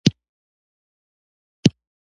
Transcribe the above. نان ما به او دو شا.